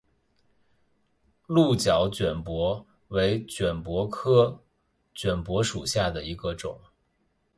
鹿角卷柏为卷柏科卷柏属下的一个种。